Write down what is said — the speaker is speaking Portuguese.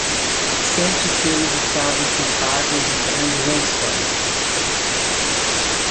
Sete selos estavam estampados em grandes lençóis.